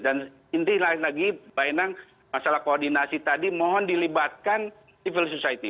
dan inti lain lagi bu endang masalah koordinasi tadi mohon dilibatkan civil society